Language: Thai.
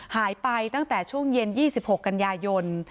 หายไปตั้งแต่ช่วงเย็น๒๖กันยายน